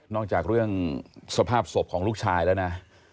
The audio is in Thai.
จากเรื่องสภาพศพของลูกชายแล้วนะ